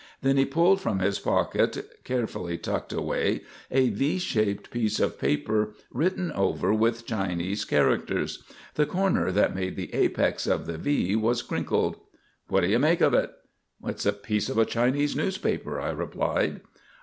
Then he pulled from his pocket, carefully tucked away, a V shaped piece of paper written over with Chinese characters. The corner that made the apex of the V was crinkled. "What do you make of it?" "It's a piece of a Chinese newspaper," I replied.